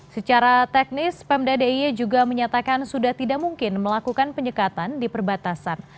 secara teknis pemda d i e juga menyatakan sudah tidak mungkin melakukan penyekatan di perbatasan